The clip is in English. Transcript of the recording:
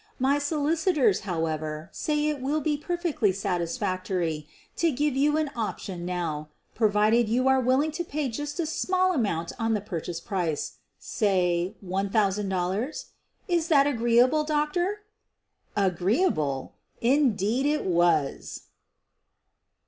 My solicitors, however, say it will be perfectly satisfactory to give you an option now, provided you are willing to pay just a small amount QUEEN OF THE BURGLARS 109 on the purchase price — say $1,000. Is that agree able, doctor f " Agreeable! Indeed it was!